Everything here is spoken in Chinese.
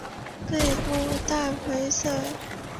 背部淡灰色。